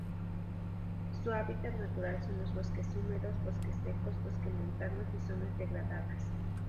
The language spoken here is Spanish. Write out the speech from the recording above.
Su hábitat natural son los bosques húmedos, bosques secos, bosque montanos y zonas degradadas.